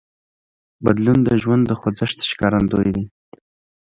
بدلون د ژوند د خوځښت ښکارندوی دی.